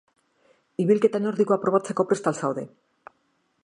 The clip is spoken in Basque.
Ibilketa nordikoa probatzeko prest al zaude?